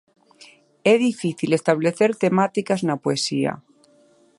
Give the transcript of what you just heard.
É difícil establecer temáticas na poesía.